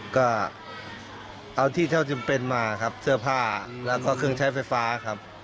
ก็เอาที่เท่าจำเป็นมาครับเสื้อผ้าแล้วก็เครื่องใช้ไฟฟ้าครับ